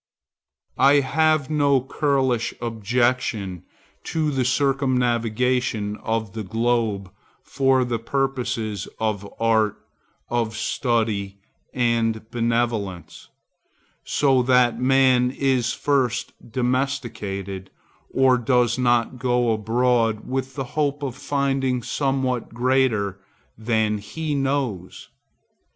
I have no churlish objection to the circumnavigation of the globe for the purposes of art, of study, and benevolence, so that the man is first domesticated, or does not go abroad with the hope of finding somewhat greater than he knows.